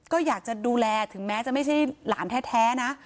ก็อยากจะดูแลถึงแม้จะไม่ใช่หลานแท้นะ